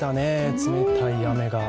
冷たい雨が。